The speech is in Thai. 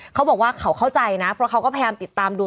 เขาบอกว่าเขาเข้าใจนะเพราะเขาก็พยายามติดตามดู